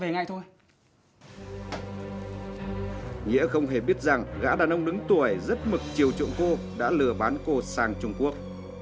nghĩa không hề biết rằng gã đàn ông đứng tuổi rất mực chiềung cô đã lừa bán cô sang trung quốc